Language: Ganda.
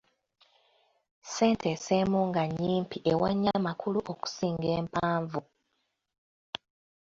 Sentensi emu nga nnyimpi ewa nnyo amakulu okusinga empanvu.